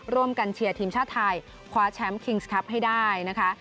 เชียร์ทีมชาติไทยคว้าแชมป์คิงส์ครับให้ได้นะคะ